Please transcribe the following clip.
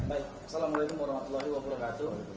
assalamu alaikum warahmatullahi wabarakatuh